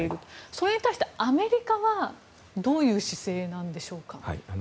それに対して、アメリカはどういう姿勢なんでしょうか？